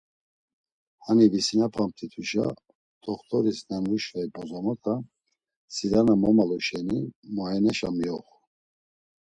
Hani visinapamt̆ituşa t̆oxt̆oris na nuşvey bozomotak, sira na momalu şeni muayeneşa miyoxu.